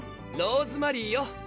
ローズマリーよ